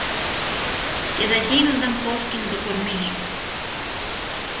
και θα γίνουνταν κόσκινο το κορμί σου